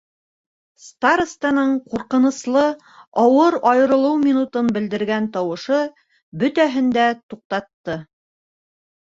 Старостаның ҡурҡыныслы, ауыр айырылыу минутын белдергән тауышы бөтәһен дә туҡтатты.